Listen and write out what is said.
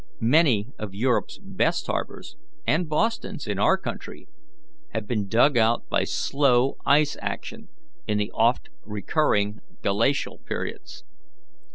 Many of Europe's best harbours, and Boston's, in our country, have been dug out by slow ice action in the oft recurring Glacial periods.